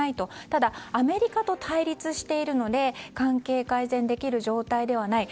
ただアメリカと対立しているので関係改善できる状態ではない。